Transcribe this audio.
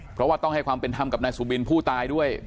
เพราะว่าต้องให้ความเป็นธรรมกับนายสุบินผู้ตายด้วย